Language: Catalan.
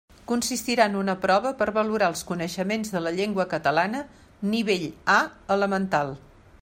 Consistirà en una prova per valorar els coneixements de la llengua catalana nivell A elemental.